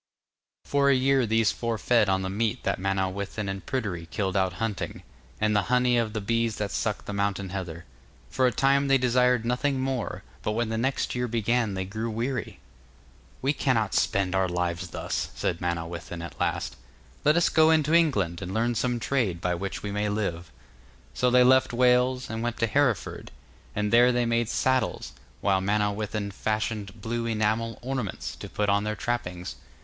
For a year these four fed on the meat that Manawyddan and Pryderi killed out hunting, and the honey of the bees that sucked the mountain heather. For a time they desired nothing more, but when the next year began they grew weary. 'We cannot spend our lives thus,' said Manawyddan at last, 'let us go into England and learn some trade by which we may live.' So they left Wales, and went to Hereford, and there they made saddles, while Manawyddan fashioned blue enamel ornaments to put on their trappings.